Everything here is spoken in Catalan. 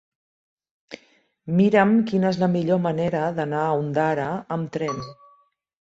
Mira'm quina és la millor manera d'anar a Ondara amb tren.